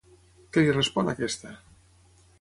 Què li respon aquesta?